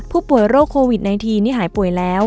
ผู้ป่วยโรคโควิด๑๙นี่หายป่วยแล้ว